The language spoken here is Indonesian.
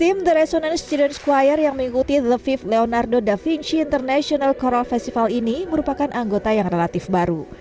tim the resonance children's choir yang mengikuti the lima th leonardo da vinci international choral festival ini merupakan anggota yang relatif baru